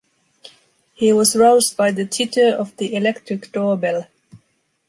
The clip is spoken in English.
He was roused by the titter of the electric door-bell.